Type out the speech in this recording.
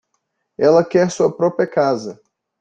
Ela quer sua própria casa.